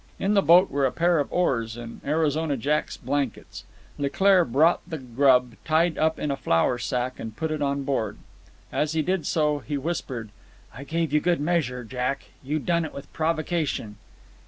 In the boat were a pair of oars and Arizona Jack's blankets. Leclaire brought the grub, tied up in a flour sack, and put it on board. As he did so, he whispered—"I gave you good measure, Jack. You done it with provocation."